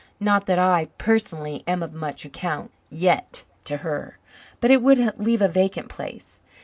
Not that I, personally, am of much account yet to her. But it would leave a vacant place.